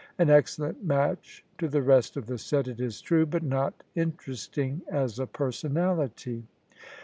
An excellent match to the rest of the set, it is true, but not interesting as a personality.